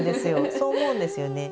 そう思うんですよね。